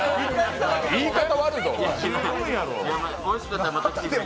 言い方悪いぞ。